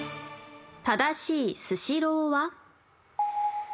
正しいスシローは？